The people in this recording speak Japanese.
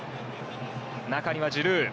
中にはジルー。